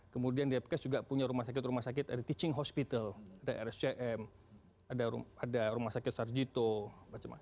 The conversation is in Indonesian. kemudian depkes juga punya rumah sakit rumah sakit ada teaching hospital ada rscm ada rumah sakit sarjito macam macam